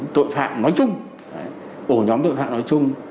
tội phạm nói chung ổ nhóm tội phạm nói chung